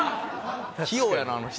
器用やなあの人。